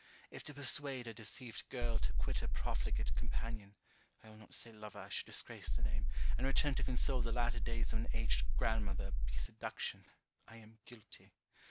If to persuade a deceived girl to quit her profligate companion (I will not say lover, I should disgrace the name) and return to console the latter days of an aged grandmother be seduction, I am guilty.